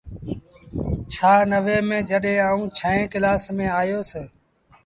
ڇآنوي ميݩ جڏهيݩ آئوٚݩ ڇوهيݩ ڪلآس ميݩ آيو ۔